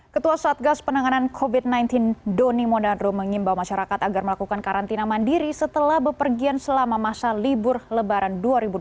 ketua satgas penanganan covid sembilan belas doni mondadru mengimbau masyarakat agar melakukan karantina mandiri setelah bepergian selama masa libur lebaran dua ribu dua puluh